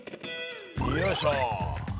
よいしょ。